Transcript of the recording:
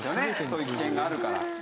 そういう危険があるから。